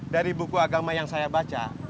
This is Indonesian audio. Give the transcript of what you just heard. dari buku agama yang saya baca